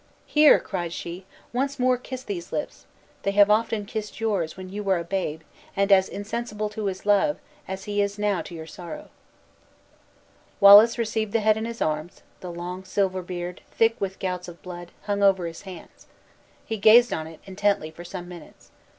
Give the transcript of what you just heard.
"Here," cried she, "once more kiss these lips! They have often kissed yours, when you were a babe; and as insensible to his love, as he is now to your sorrow." Wallace received the head in his arms; the long silver beard, thick with gouts of blood, hung over his hands. He gazed on it, intently, for some minutes.